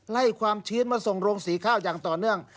ความชื้นมาส่งโรงสีข้าวอย่างต่อเนื่อง